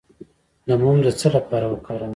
د موم د څه لپاره وکاروم؟